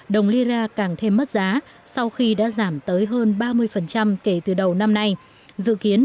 đồng lira càng thêm mất giá sau khi đã giảm tới hơn ba mươi kể từ đầu năm nay dự kiến